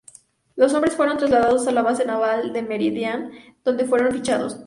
Los hombres fueron trasladados a la Base Naval de Meridian donde fueron fichados.